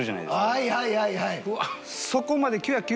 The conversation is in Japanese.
はいはいはいはい！